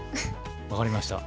分かりました。